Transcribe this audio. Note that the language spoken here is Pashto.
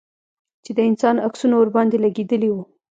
چې د انسان عکسونه ورباندې لگېدلي وو.